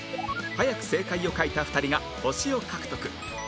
早く正解を書いた２人が星を獲得